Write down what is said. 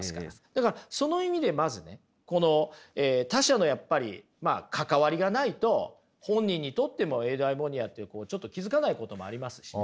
だからその意味でまずねこの他者のやっぱり関わりがないと本人にとってもエウダイモニアってちょっと気付かないこともありますし。